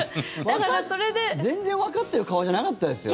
全然わかってる顔じゃなかったですよ。